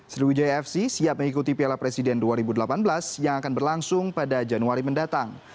sriwijaya fc siap mengikuti piala presiden dua ribu delapan belas yang akan berlangsung pada januari mendatang